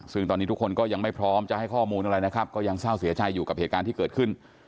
ซึ่งตอนนี้ทุกคนก็ยังไม่พร้อมจะให้ข้อมูลอะไรนะครับก็ยังเศร้าเสียใจอยู่กับเหตุการณ์ที่เกิดขึ้น